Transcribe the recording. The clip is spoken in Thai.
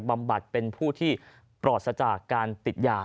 บำบัดเป็นผู้ที่ปลอดซะจากการติดยา